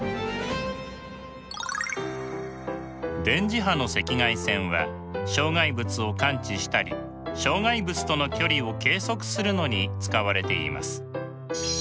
電磁波の赤外線は障害物を感知したり障害物との距離を計測するのに使われています。